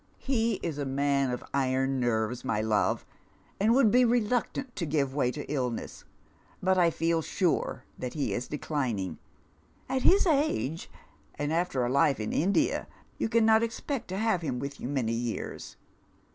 " He is a man of iron nerves, my love, and would be reluctant to give way to illness, but I feel sm e that he is declining. At his age, and after a Ufe in India, you cannot expect to have hiui with you many years."